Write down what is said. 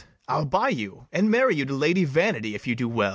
I'll buy you, and marry you to Lady Vanity, if you do well.